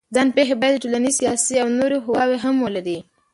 ځان پېښې باید ټولنیز، سیاسي او نورې خواوې هم ولري.